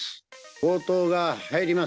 強盗が入ります。